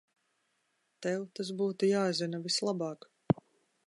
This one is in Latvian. Tev tas būtu jāzina vislabāk.